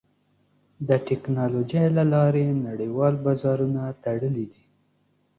د ټکنالوجۍ له لارې نړیوال بازارونه تړلي دي.